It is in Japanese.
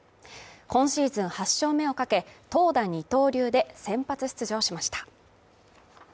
今シーズン８勝目をかけ、投打二刀流で先発出場しました。